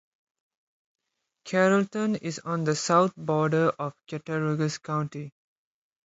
Carrollton is on the south border of Cattaraugus County.